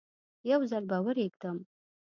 یو ځل به ورېږدم.